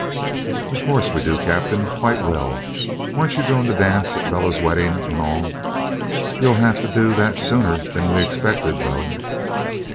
'Of course we do, Captain, quite well. Weren't you going to dance at Bella's wedding and all? You'll have to do that sooner than we expected, though.'